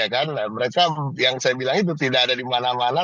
karena mereka yang saya bilang itu tidak ada di mana mana